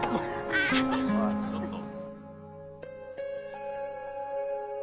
ちょっと。